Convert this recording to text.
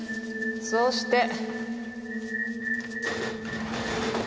そうして。